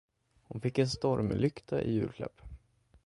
Hon fick en stormlykta i julklapp.